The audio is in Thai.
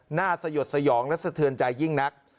หน้าสยดสยองและสเทินใจยิ่งนัก